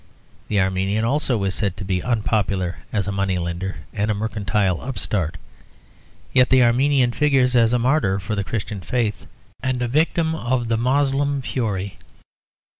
The Armenian also is said to be unpopular as a money lender and a mercantile upstart; yet the Armenian figures as a martyr for the Christian faith and a victim of the Moslem fury.